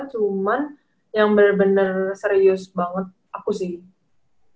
cuma yang bener bener serius banget aku sih